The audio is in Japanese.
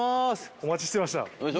お待ちしてました。